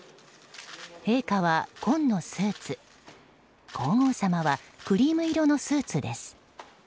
陛下は、紺のスーツ皇后さまはクリーム色のスーツです。